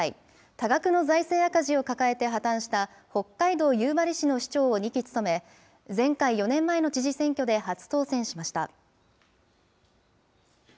多額の財政赤字を抱えて、破綻した北海道夕張市の市長を２期務め、前回・４年前の知事選挙で初当選しました。